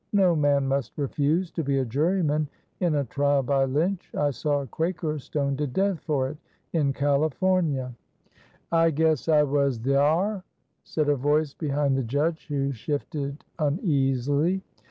No man must refuse to be a juryman in a trial by lynch. I saw a Quaker stoned to death for it in California." "I guess I was thyar," said a voice behind the judge, who shifted uneasily.